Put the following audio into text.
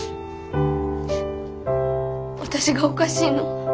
私がおかしいの？